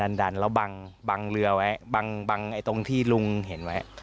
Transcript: ดันแล้วบังเรือไว้บังตรงที่ลุงเห็นไว้